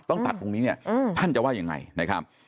ต้องตัดตรงนี้เนี่ยพ่นจะว่าอย่างไร